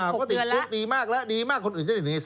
ก็ติดคุกดีมากแล้วดีมากคนอื่นจะได้๑ใน๓